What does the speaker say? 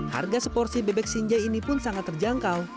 harga seporsi bebek sinjai ini pun sangat terjangkau